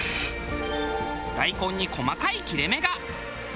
大根に細かい切れ目が。